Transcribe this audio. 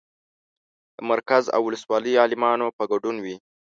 د مرکز او ولسوالۍ عالمانو په ګډون وي.